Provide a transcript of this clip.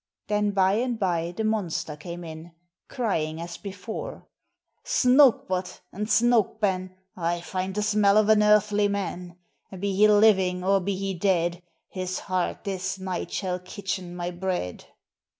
Then by and by the monster came in, crying as before : "Snouk but ! and snouk ben ! I find the smell of an earthly man; Be he living, or be he dead, His heart this night shall kitchen my bread.'